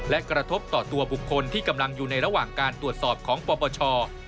และกระทบต่อตัวบุคคลที่กำลังอยู่ในระหว่างการตรวจสอบของปปช